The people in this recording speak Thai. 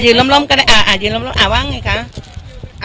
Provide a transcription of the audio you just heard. ยืนร่มร่มก็ได้อ่าอ่ายืนร่มร่มอ่าว่างไงคะอ่าค่ะพูดพร้อมกันนี้ค่ะ